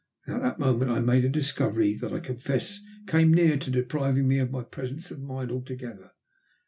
At that moment I made a discovery that I confess came near to depriving me of my presence of mind altogether.